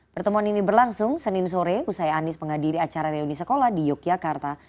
pertemuan ini berlangsung senin sore usai anies menghadiri acara reuni sekolah di yogyakarta